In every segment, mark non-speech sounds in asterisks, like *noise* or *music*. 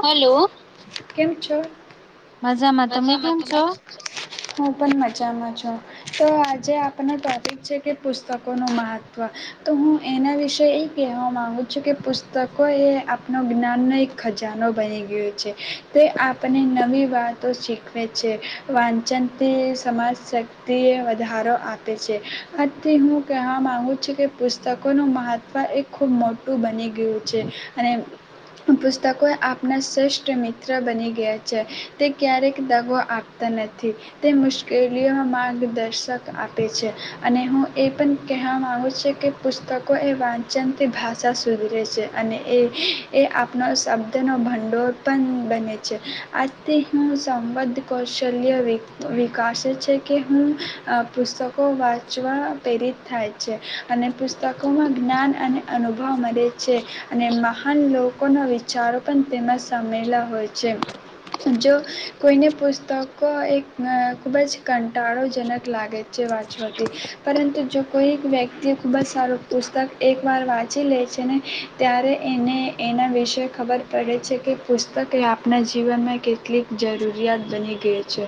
Hello. કેમ છો? મજામાં. તમે કેમ છો? હું પણ મજામાં છું. તો આજે આપનો ટોપિક છે કે પુસ્તકોનું મહત્ત્વ તો હું એના વિશે એ કહેવા માગુ છું કે પુસ્તકો એ આપણ જ્ઞાનનો એક ખજાનો બની ગયો છે તે આપણે નવી વાત તો શીખવે છે. વાંચનથી સમાજ શક્તિ એ વધારો આપે છે. આજથી હું કહેવા માંગુ છું કે પુસ્તકોનું મહત્વ એ ખૂબ મોટું બની ગયું છે. અને પુસ્તકો એ આપના શ્રેષ્ઠ મિત્ર બની ગયા છે. તે ક્યારેક દગો આપતા નથી. તે મુશ્કેલીઓમાં માર્ગદર્શક આપે છે. અને હું એ પણ કહેવા માગું છું કે પુસ્તકો એ વાંચનથી ભાષા સુધરે છે. અને એ એ આપનો શબ્દનો ભંડોળ પણ બને છે આ તે હું સંવ્ કૌશલ્ય વિકાસે છે કે હું પુસ્તકો વાંચવા પ્રેરિત થાય છે. અને પુસ્તકોમાં જ્ઞાન અને અનુભવ મળે છે. અને મહાન લોકોના વિચારો પણ તેમાં સામેલા હોય છે. જો કોઈને પુસ્તકો એ અ ખૂબ જ કંટાળોજનક લાગે છે. વાંચવાથી પરંતુ જો કોઈક વ્યક્તિ ખૂબ જ સારું પુસ્તક એકવાર વાંચી લે છે ને ત્યારે એને એના વિશે ખબર પડે છે. કે પુસ્તક એ આપના જીવનમાં કેટલીક જરૂરિયાત બની ગઈ છે.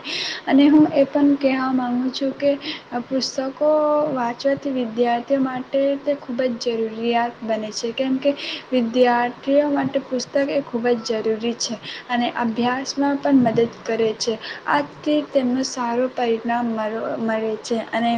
અને હું એ પણ કહેવા માગું છું કે પુસ્તકો વાંચવાથી વિદ્યાર્થીઓ માટે તે ખૂબ જ જરૂરિયાત બને છે. કેમ કે વિદ્યાર્થીઓ માટે પુસ્તકે ખૂબ જ જરૂરી છે. અને અભ્યાસ પણ મદદ કરે છે આથી તેમનું સારું પરિણામ મરો મળે છે. અને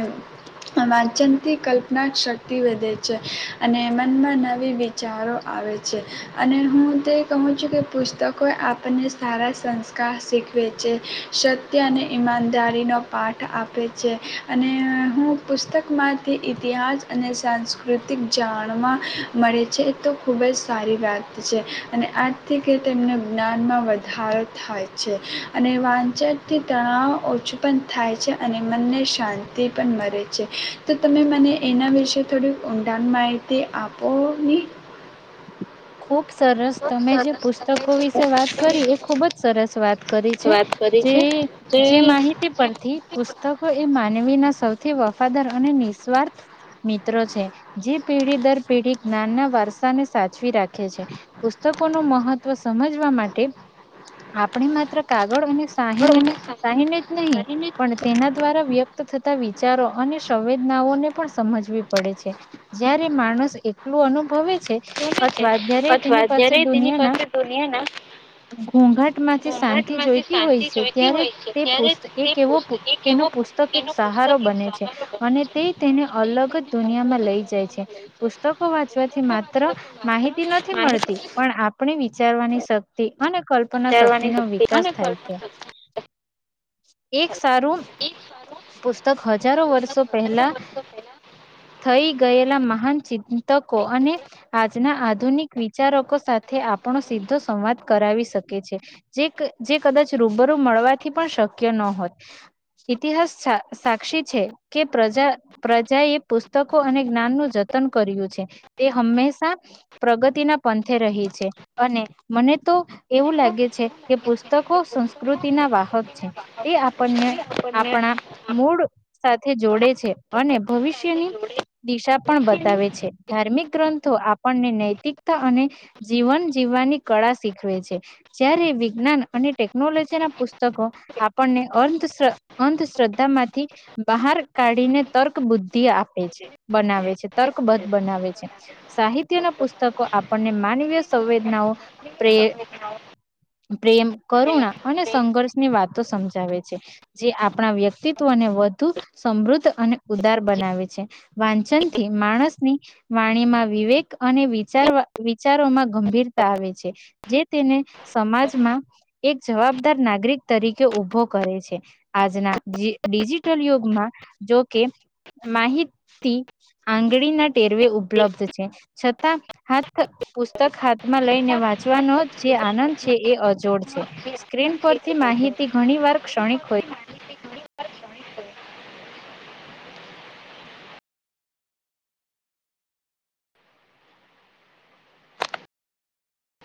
વાંચનતી કલ્પના શક તિ વધે છે. અને મનમાં નવી વિચારો આવે છે અને હું તે કહું છું કે પુસ્તકોએ આપણને સારા સંસ્કાર શીખવે છે, સત્ય અને ઈમાનદારીનો પાઠ આપે છે અને હું પુસ્તકમાંથી ઇતિહાસ અને સાંસ્કૃતિક જાણવા મળે છે. તો ખૂબ જ સારી વાત છે અને આજથી કે તેમને જ્ઞાનમાં વધાર થાય છે અને વાંચનથી તણાવ ઓછું પણ થાય છે. અને મનને શાંતિ પણ મરે છે. તો તમે મને એના વિશે થોડુંક ઊંડાણ માહિતી આપો ની. ખુબ સરસ, તમે જે પુસ્તકો વિશે વાત કરી એ ખુબ જ સરસ વાત કરી છે. જે જે માહિતી પરથી પુસ્તકો એ માનવીના સૌથી વ ફાદાર અને નિસ્વાર્થ મિત્રો છે. જે પેઢી દર પેઢી જ્ઞાનના વારસા ને સાચવી રાખ કે છે પુસ્તકો નું મહત્વ સમજવા માટે આપણે માત્ર કાગળ અને શાહીન શાહીને જ નહી પણ તેના દ્વારા વ્યક્ત થતા વિચારો અને સંવેદનાઓને પણ સમજવી પડે છે. જયારે માણસ એકલું અનુ ભવે છે જયારે તેની પાસે દુનિયાના ઘોઘાટ માંથી શાંતિ જોઈતી હોય છે, ત્યારે તે પુસ્ એક એવો તેનો પુસ્તક એક સહારો બને છે. અને તે તેને અલગ જ દુનિયામાં લઈ જાય છે. પુસ્તકો વાંચવાથી માત્ર માહિતી નથી મળતી, પણ આપણે વી ચારવાની શક્તિ અને કલ્પના શક્તિનો વિકાસ થાય છે. એ સારું પુસ્તક હજારો વર્ષો પહેલા થઈ ગયેલા મહાન *unintelligible* તકો અને આ જના આધુનિક વિચારકો સાથે આપણો સીધો સંવાદ કરાવી શકે છે. જે કદાચ રૂબરૂ મળવાથી પણ શ શક્ય ન હોત. ઇતિહાસ સા સાક્ષી છે કે પ્રજા, પ્રજા એ પુસ્તકો અને જ્ઞાનનું જતન કર્યું છે. તે હંમેશા પ્રગતિના પંથે રહી છે. અને મને તો એવું લાગે છે કે પુસ્ પુસ્તકો સંસ્કૃતિના વાહક છે. તે આપણને આપણા મૂડ સાથે જોડે છે અને ભવિષ્યની દિશા પણ બતાવે છે. ધાર્મિક ગ્રંથો આપણને નૈતિકતા અને જીવન જીવવાની કળા શીખવે છે. જ્યારે વિજ્ઞાન અને ટેકનોલોજી ના પુસ્તકો આ પણને અંધશ્રદ્ધા માંથી બહાર કાઢીને તર્ક બુદ્ધિ આપે છે બનાવે છે, તર્કબદ્ધ બનાવે છે. સાહિત્યના પુસ્તકો આપણને માનવીય સંવેદનાઓ પ્રે પ્રેમ કરુણા અને સંઘર્ષની વાત તો સમજાવે છે, જે આપણા વ્યક્તિત્વને વધુ સમૃદ્ધ અને ઉદાર બનાવે છે. વાંચન થી માણસ ની વાણીમાં વિવેક અને વિચાર વિચારોમાં ગંભીરતા આવે છે, જે તેને સમાજમાં એક જવાબદાર નાગરિક તરીકે કે ઉભો કરે છે. આજના ડિજ ડિજિટલ યુગમાં જોકે માહિતી આંગળીના ટેરવે ઉપલબ્ધ છે. છતાં હાથ પુસ્તક હાથમાં લઈને વાંચવાનો જ જે આનંદ છે એ અજોડ છે, સ્ક્રીન પરથી માહિત ઘણી વાર ક્ષણિક હોય *inaudible*